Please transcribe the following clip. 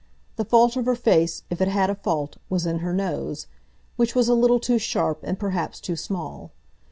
The fault of her face, if it had a fault, was in her nose, which was a little too sharp, and perhaps too small.